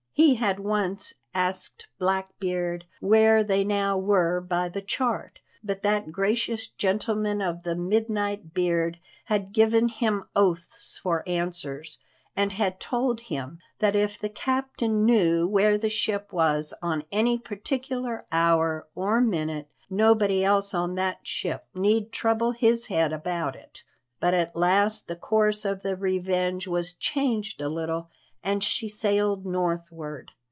He had once asked Blackbeard where they now were by the chart, but that gracious gentleman of the midnight beard had given him oaths for answers, and had told him that if the captain knew where the ship was on any particular hour or minute nobody else on that ship need trouble his head about it. But at last the course of the Revenge was changed a little, and she sailed northward.